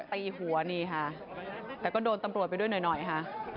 ตีหัวนี่ค่ะแต่ก็โดนตำรวจไปด้วยหน่อยค่ะ